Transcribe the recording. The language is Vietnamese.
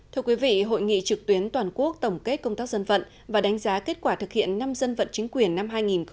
thưa quý vị hội nghị trực tuyến toàn quốc tổng kết công tác dân vận và đánh giá kết quả thực hiện năm dân vận chính quyền năm hai nghìn một mươi chín